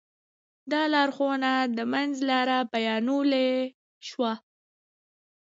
دا لارښوونه د منځ لاره بيانولی شو.